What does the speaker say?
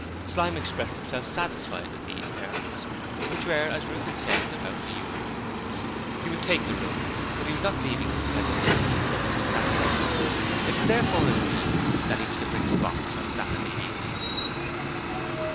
Slyme expressed himself satisfied with these terms, which were as Ruth had said about the usual ones. He would take the room, but he was not leaving his present lodgings until Saturday. It was therefore agreed that he was to bring his box on Saturday evening.